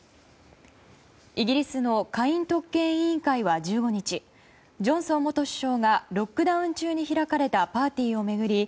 イギリスの下院特権委員会は１５日ジョンソン元首相がロックダウン中に開かれたパーティーを巡り